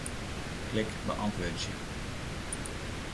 Klik Beäntwurdzje.